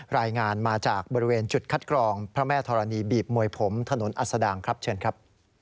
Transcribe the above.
รายงานมาจากบริเวณจุดคัดกรองพระแม่ธรณีบีบมวยผมถนนอัศดางครับเชิญครับ